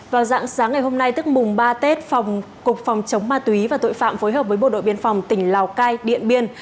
vào dạng sáng ngày hôm nay tức mùng ba tết phòng cục phòng chống ma túy và tội phạm phối hợp với bộ đội biên phòng tỉnh lào cai điện biên